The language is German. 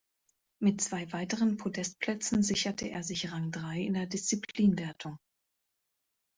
Mit zwei weiteren Podestplätzen sicherte er sich Rang drei in der Disziplinenwertung.